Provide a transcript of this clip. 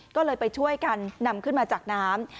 ก็เลยไปช่วยกันนำขึ้นมาจากน้ำ